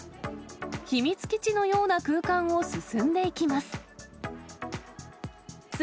秘密基地のような空間を進んでいきます。